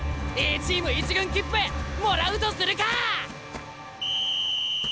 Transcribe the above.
Ａチーム１軍切符もらうとするかぁ！